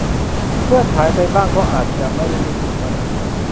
เพื่อนหายไปบ้างก็อาจจะไม่ได้รู้สึกมาก